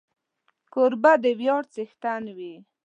کوربه د ویاړ څښتن وي.